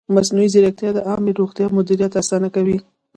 مصنوعي ځیرکتیا د عامې روغتیا مدیریت اسانه کوي.